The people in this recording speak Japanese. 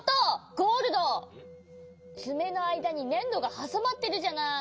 つめのあいだにねんどがはさまってるじゃない。